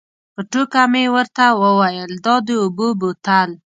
په ټوکه مې ورته وویل دا د اوبو بوتل.